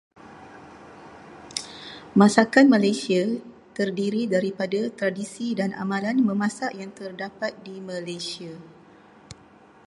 Masakan Malaysia terdiri daripada tradisi dan amalan memasak yang terdapat di Malaysia.